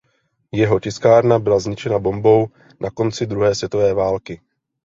Jeho tiskárna byla zničena bombou na konci druhé světové války.